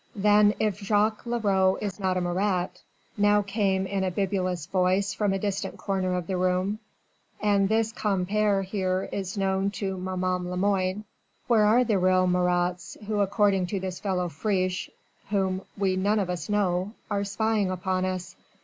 "Then if Jacques Leroux is not a Marat," now came in a bibulous voice from a distant comer of the room, "and this compeer here is known to maman Lemoine, where are the real Marats who according to this fellow Friche, whom we none of us know, are spying upon us?"